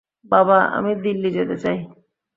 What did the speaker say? বাবা, আমি দিল্লি যেতে চাই।